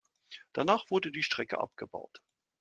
Danach wurde die Strecke abgebaut.